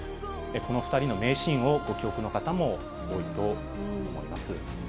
この２人の名シーンをご記憶の方も多いと思います。